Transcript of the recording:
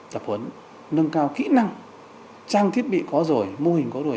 tập huấn nâng cao kỹ năng trang thiết bị có rồi mô hình có rồi